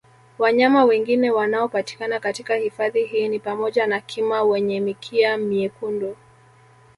Wanyama wengine wanaopatikana katika hifadhi hii ni pamoja na Kima wenye mikia myekundu